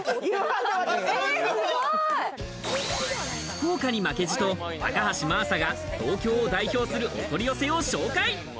福岡に負けじと、高橋真麻が東京を代表するお取り寄せを紹介。